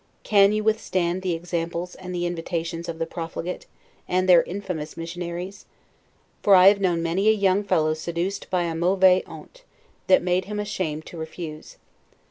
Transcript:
Can you withstand the examples, and the invitations, of the profligate, and their infamous missionaries? For I have known many a young fellow seduced by a 'mauvaise honte', that made him ashamed to refuse.